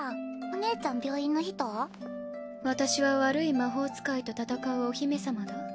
おねえちゃん病院の私は悪い魔法使いと戦うお姫様だ